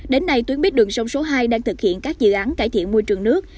đến nay tuyến buýt đường sông số hai đang thực hiện các dự án cải thiện môi trường nước